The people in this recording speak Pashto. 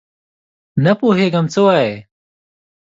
نه پوهېږم څه وایې ؟؟